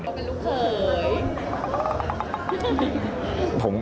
โหย